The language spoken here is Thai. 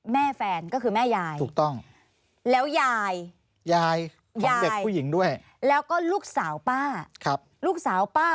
แม่แฟนก็คือแม่ยายแล้วยายยายแล้วก็ลูกสาวป้าลูกสาวป้า